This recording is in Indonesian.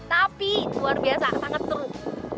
tapi luar biasa sangat teruk